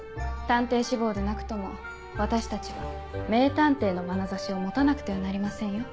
探偵志望でなくとも私たちは名探偵のまなざしを持たなくてはなりませんよ。